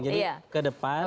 jadi ke depan